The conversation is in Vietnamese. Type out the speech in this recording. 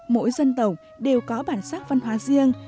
mỗi dân tộc đều có bản sắc văn hóa riêng